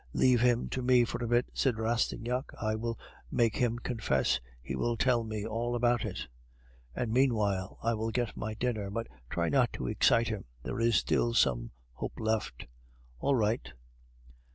"Leave him to me for a bit," said Rastignac. "I will make him confess; he will tell me all about it." "And meanwhile I will get my dinner. But try not to excite him; there is still some hope left." "All right."